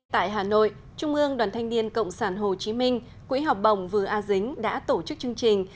tại hà nội trung ương đoàn thanh niên cộng sản hồ chí minh quỹ học bổng vừa a dính đã tổ chức chương trình